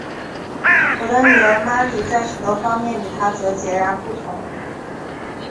我的女儿玛丽在许多方面与她则截然不同。